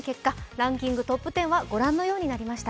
ランキングトップ１０はご覧のようになりました。